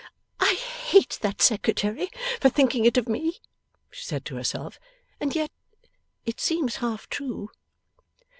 'I hate that Secretary for thinking it of me,' she said to herself, 'and yet it seems half true!